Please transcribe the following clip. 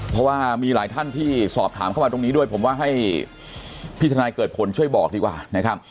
เพราะว่ามีหลายท่านที่สอบถามเข้ามาตรงนี้ด้วยผมว่าให้พี่ทนายเกิดผลช่วยบอกดีกว่านะครับ